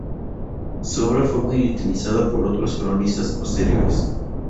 Su obra fue muy utilizada por otros cronistas posteriores.